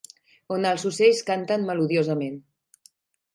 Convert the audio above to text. On els ocells canten melodiosament.